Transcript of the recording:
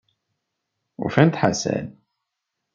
Ufan-d Ḥasan.